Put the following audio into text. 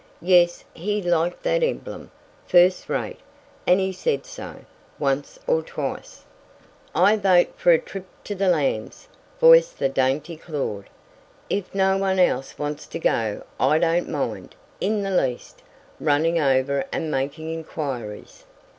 Yes, he liked that emblem, first rate, and he said so, once or twice. "I vote for a trip to the Lambs," voiced the dainty Claud. "If no one else wants to go I don't mind, in the least, running over and making inquiries."